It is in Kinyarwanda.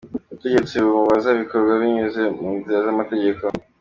ubutegetsi bumubaza bikorwa binyuze mu nzira z’amategeko.